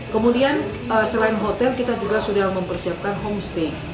kemudian selain hotel kita juga sudah mempersiapkan homestay